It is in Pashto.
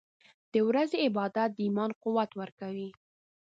• د ورځې عبادت د ایمان قوت ورکوي.